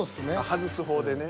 外す方でね。